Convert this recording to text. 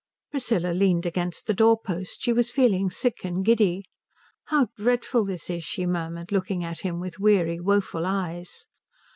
Priscilla leaned against the door post. She was feeling sick and giddy. "How dreadful this is," she murmured, looking at him with weary, woeful eyes.